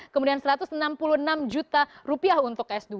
kemudian rp satu ratus enam puluh enam juta rupiah untuk s dua